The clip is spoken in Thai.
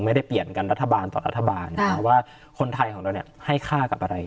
ไม่ได้เปลี่ยนกันรัฐบาลต่อรัฐบาลว่าคนไทยของเราให้ค่ากับอะไร